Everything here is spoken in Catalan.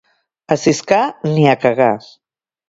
A Siscar, ni a cagar.